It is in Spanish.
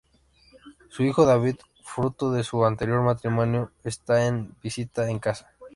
Su hijo David, fruto de su anterior matrimonio, está de visita en casa.